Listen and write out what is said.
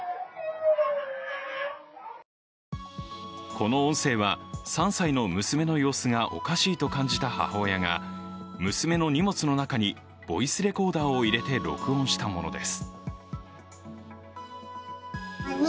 この音声は３歳の娘の様子がおかしいと感じた母親が娘の荷物の中にボイスレコーダーを入れて録音したものです。